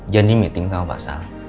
jani meeting sama pasal